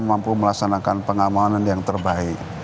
mampu melaksanakan pengamanan yang terbaik